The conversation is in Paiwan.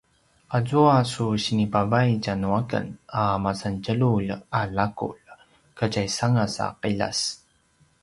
azua su sinipavai tja nu aken a masantjelulj a laqulj katjaisangas a qiljas